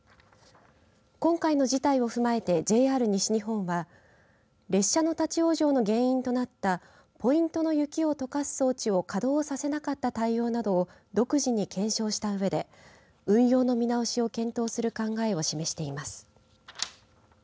今回の事態を踏まえてＪＲ西日本は列車の立往生の原因となったポイントの雪をとかす装置を稼働させなかった対応などを独自に検証したうえで運用の見直しを検討する考えを示しています。